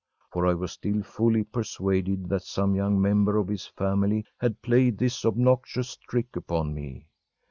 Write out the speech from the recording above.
For I was still fully persuaded that some young member of his family had played this obnoxious trick upon me.